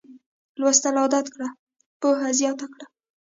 لوستل عادت کړه پوهه زیاته کړه